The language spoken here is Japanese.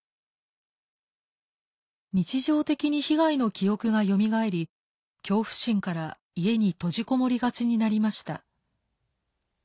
日常的に被害の記憶がよみがえり恐怖心から家に閉じ籠もりがちになりました。